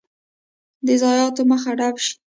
د ضایعاتو مخه ډب شي.